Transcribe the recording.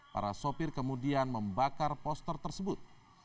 para sopir kemudian membakar poster tersebut